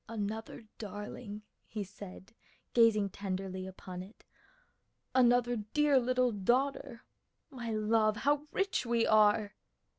"Another darling," he said gazing tenderly upon it, "another dear little daughter! My love, how rich we are!"